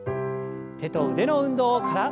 手と腕の運動から。